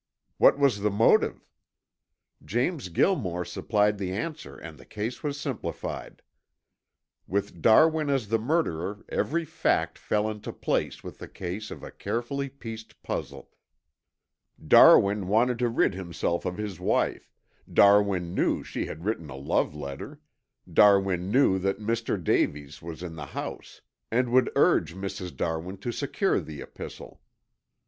What was the motive? James Gilmore supplied the answer and the case was simplified. With Darwin as the murderer every fact fell into place with the ease of a carefully pieced puzzle. "Darwin wanted to rid himself of his wife, Darwin knew she had written a love letter, Darwin knew that Mr. Davies was in the house and would urge Mrs. Darwin to secure the epistle.